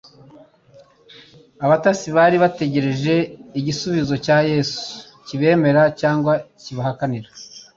Abatasi bari bategereje igisubizo cya Yesu kibemerera cyangwa kibahakanira.